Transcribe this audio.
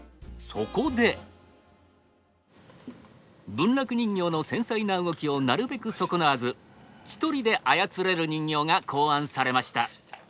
文楽人形の繊細な動きをなるべく損なわず一人であやつれる人形が考案されました。